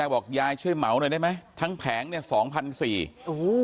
บอกยายช่วยเหมาหน่อยได้ไหมทั้งแผงเนี่ย๒๔๐๐บาท